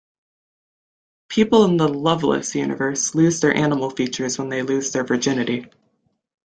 People in the "Loveless" universe lose their animal features when they lose their virginity.